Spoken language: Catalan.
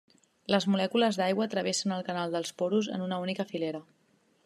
Les molècules d'aigua travessen el canal del porus en una única filera.